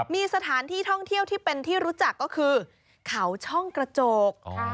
มีสถานที่ท่องเที่ยวที่เป็นที่รู้จักก็คือเขาช่องกระจก